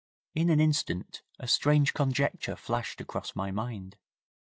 In an instant a strange conjecture flashed across my mind.